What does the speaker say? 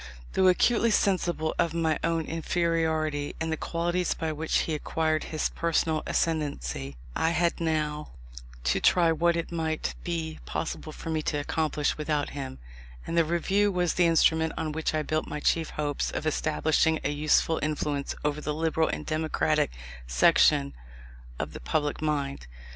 Though acutely sensible of my own inferiority in the qualities by which he acquired his personal ascendancy, I had now to try what it might be possible for me to accomplish without him: and the Review was the instrument on which I built my chief hopes of establishing a useful influence over the liberal and democratic section of the public mind.